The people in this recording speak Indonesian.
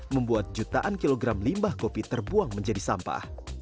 membuat jutaan kilogram limbah kopi terbuang menjadi sampah